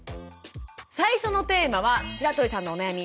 最初のテーマは白鳥さんのお悩み